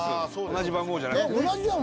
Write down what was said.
同じ番号じゃなくてね